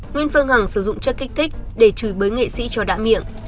nguyễn phương hằng sử dụng chất kích thích để chửi bới nghệ sĩ cho đã miệng